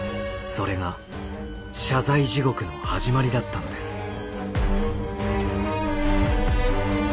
それが謝罪地獄の始まりだったのです。